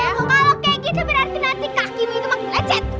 kalau kayak gitu berarti nanti kakimu itu makin lecet